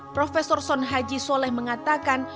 prof son haji soleh mengatakan